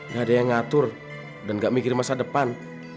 gak ada yang ngatur dan nggak mikir masa depan